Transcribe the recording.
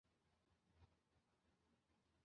牧民们将他们统称为上海孤儿。